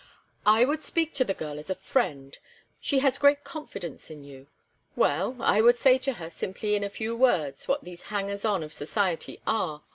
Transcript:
"I would speak to the girl as a friend. She has great confidence in you. Well, I would say to her simply in a few words what these hangers on of society are.